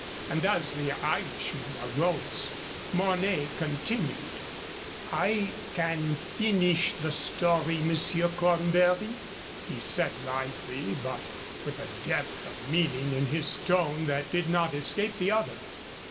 And as the Irishman arose, Mornay continued: "I can finish the story, Monsieur Cornbury," he said, lightly, but with a depth of meaning in his tone that did not escape the other.